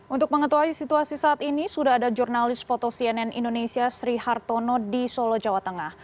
untuk mengetahui situasi saat ini sudah ada jurnalis foto cnn indonesia sri hartono di solo jawa tengah